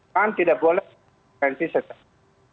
kan tidak boleh mengintervensi sesuatu